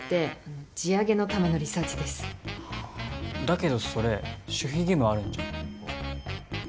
だけどそれ守秘義務あるんじゃ。